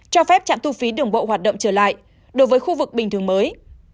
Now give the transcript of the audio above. cho phép trạm thu phí đường bộ hoạt động trở lại đối với khu vực bình thường mới